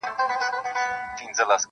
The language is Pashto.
د تيارو اجاره دار محتسب راغى-